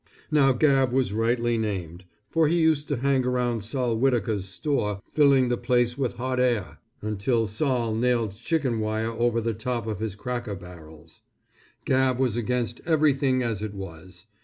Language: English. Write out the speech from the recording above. Now Gabb was rightly named, for he used to hang around Sol. Whittaker's store filling the place with hot air, until Sol. nailed chicken wire over the top of his cracker barrels. Gabb was against everything as it was.